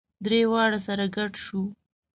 درې واړه سره ګډ شوو.